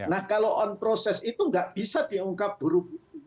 nah kalau on process itu nggak bisa diungkap buruk